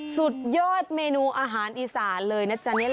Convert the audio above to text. สุดยอดเมนูอาหารอีสานเลย